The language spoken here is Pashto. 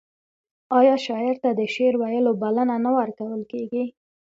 آیا شاعر ته د شعر ویلو بلنه نه ورکول کیږي؟